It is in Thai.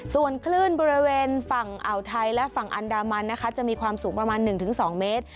ส่วนคลื่นบริเวณฝั่งอ่าวไทยและฝั่งอันดามันนะคะจะมีความสูงประมาณ๑๒เมตร